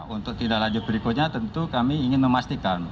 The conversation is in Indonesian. untuk tidak lanjut berikutnya tentu kami ingin memastikan